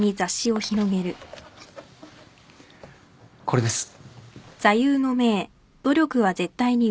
これです。